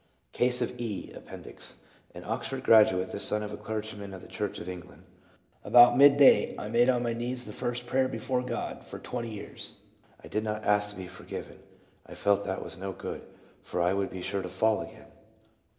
Case of E. (Appendix.) An Oxford graduate, the son of a clergyman of the Church of England. '' About mid day I made on my knees the first prayer before God for twenty years. I did not ask to be forgiven ; I felt that was no good, for I would be sure to fall again.